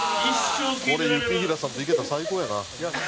「これ雪平さんと行けたら最高やな」